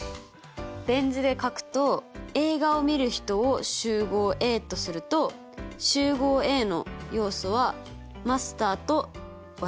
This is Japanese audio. ベン図で書くと映画をみる人を集合Ａとすると集合Ａの要素はマスターと私。